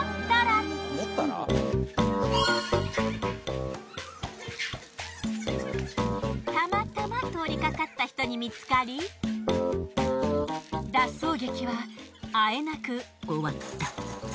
たまたま通りかかった人に見つかり脱走劇はあえなく終わった。